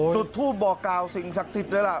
จุดทูบบอกกล่าวสิ่งสักจิตเลยล่ะ